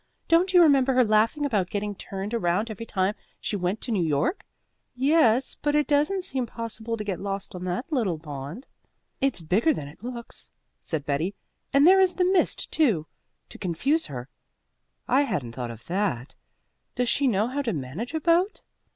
Don't you remember her laughing about getting turned around every time she went to New York?" "Yes, but it doesn't seem possible to get lost on that little pond." "It's bigger than it looks," said Betty, "and there is the mist, too, to confuse her." "I hadn't thought of that. Does she know how to manage a boat?"